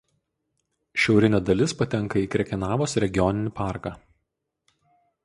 Šiaurinė dalis patenka į Krekenavos regioninį parką.